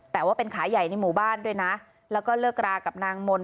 แต่ว่าเป็นขายใหญ่ในหมู่บ้านด้วยนะแล้วก็เลิกรากับนางมนต์